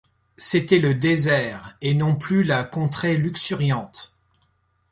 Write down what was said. C’était le désert, et non plus la contrée luxuriante!